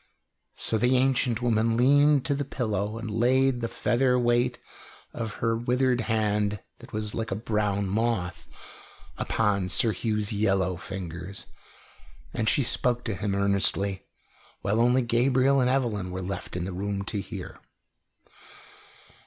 So the ancient woman leaned to the pillow and laid the feather weight of her withered hand, that was like a brown moth, upon Sir Hugh's yellow fingers, and she spoke to him earnestly, while only Gabriel and Evelyn were left in the room to hear.